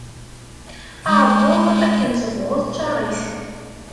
Aεebbuḍ, akken tebɣuḍ ččar-it.